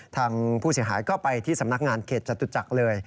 ทางผู้เสียหายก็ไปที่สำนักงานเขตจตุจักรเลย